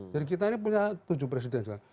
jadi kita ini punya tujuh presiden sekarang